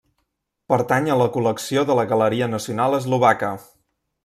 Pertany a la col·lecció de la Galeria Nacional Eslovaca.